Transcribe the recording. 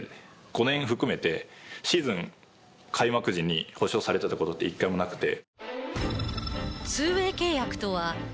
５年含めてシーズン開幕時に保証されてた事って一回もなくて。